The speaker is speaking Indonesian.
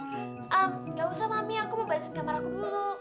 am gak usah mami aku mau beresin kamar aku dulu